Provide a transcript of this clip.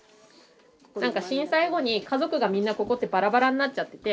なんか震災後に家族がみんなここってバラバラになっちゃってて。